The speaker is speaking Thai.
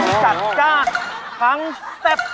ทั้งจักรจ้านะทั้งแสบ